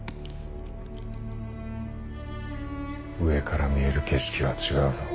上から見える景色は違うぞ。